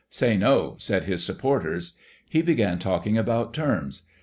Say ' No,' " said his sup porters. He began talking about terms.